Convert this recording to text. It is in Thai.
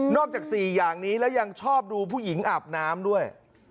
จาก๔อย่างนี้แล้วยังชอบดูผู้หญิงอาบน้ำด้วย